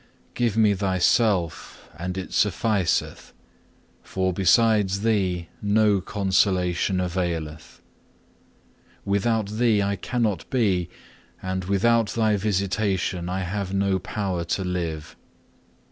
2. Give me Thyself and it sufficeth, for besides Thee no consolation availeth. Without Thee I cannot be, and without Thy visitation I have no power to live.